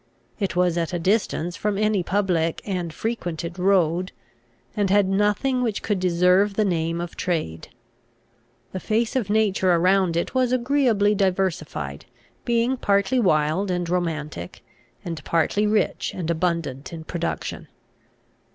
It was at a distance from any public and frequented road, and had nothing which could deserve the name of trade. The face of nature around it was agreeably diversified, being partly wild and romantic, and partly rich and abundant in production.